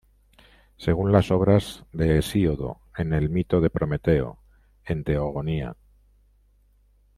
Según las obras de Hesíodo, en el mito de Prometeo, en "Teogonía.